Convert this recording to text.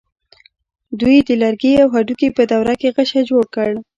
دوی د لرګي او هډوکي په دوره کې غشی جوړ کړ.